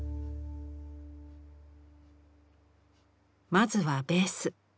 まずはベース。